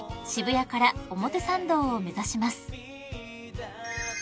渋谷から表参道を目指します］